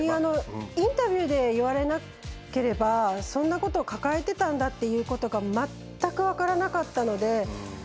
インタビューで言われなければ、そんなこと抱えてたんだっていうことが全く分からなかったので。